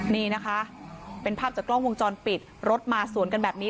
นี่นะคะเป็นภาพจากกล้องวงจรปิดรถมาสวนกันแบบนี้